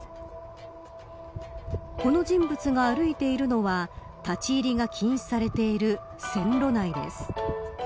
この人物が歩いているのは立ち入りが禁止されている線路内です。